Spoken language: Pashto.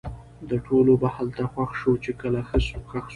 د ټولو به هلته خوښ شو؛ چې کله ښخ سو